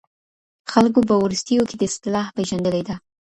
خلګو په وروستيو کې دا اصطلاح پېژندلې ده.